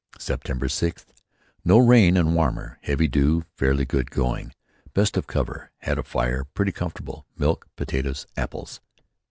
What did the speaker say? "September sixth: No rain and warmer. Heavy dew. Fairly good going. Best of cover. Had a fire. Pretty comfortable. Milk, potatoes, apples."